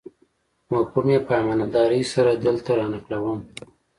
مفهوم یې په امانتدارۍ سره دلته رانقلوم.